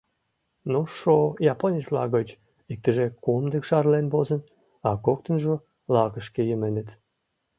Нушшо японец-влак гыч иктыже комдык шарлен возын, а коктынжо лакышке йыменыт.